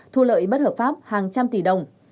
thu lợi bất hợp pháp hàng trăm tỷ đồng